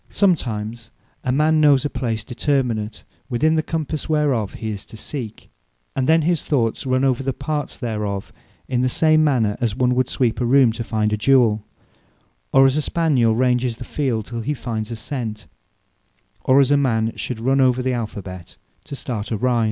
Sometimes a man knows a place determinate, within the compasse whereof his is to seek; and then his thoughts run over all the parts thereof, in the same manner, as one would sweep a room, to find a jewell; or as a Spaniel ranges the field, till he find a sent; or as a man should run over the alphabet, to start a rime.